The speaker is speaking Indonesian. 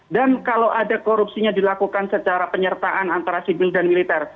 dan kalau ada korupsinya dilakukan secara penyertaan antara sibil dan militer